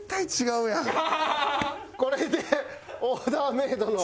これでオーダーメイドの。